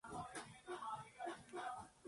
Hola Mundo.